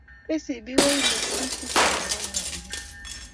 Kcb ko imuti pik che chang koba kiwanjet